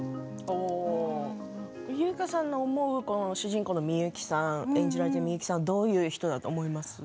優香さんの思う主人公のミユキさん演じられているミユキさんはどういう人だと思います？